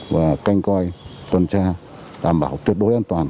và canh coi tuần tra đảm bảo tuyệt đối an toàn